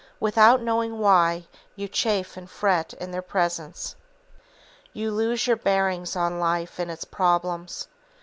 Without knowing why, you chafe and fret in their presence. You lose your bearings on life and its problems.